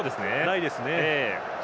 ないですね。